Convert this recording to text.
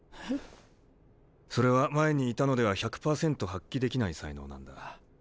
それは前にいたのでは１００％発揮できない才能なんだ。